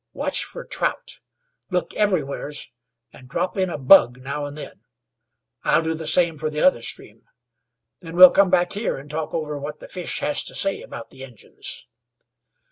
Watch fer trout. Look everywheres, an' drop in a bug now and then. I'll do the same fer the other stream. Then we'll come back here an' talk over what the fish has to say about the Injuns."